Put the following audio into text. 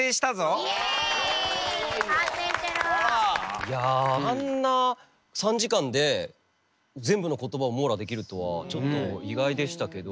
いやあんな３時間で全部の言葉を網羅できるとはちょっと意外でしたけど。